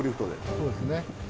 そうですね。